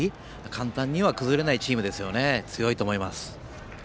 簡単には崩れないチームですね強いと思います。